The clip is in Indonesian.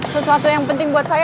sesuatu yang penting buat saya